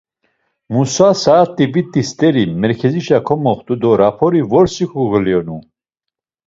Musa, saet̆i viti st̆eri merkezişa komoxt̆u do raporu vrosi kogoliyonu.